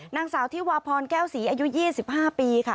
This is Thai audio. นางสาวที่วาพรแก้วศรีอายุ๒๕ปีค่ะ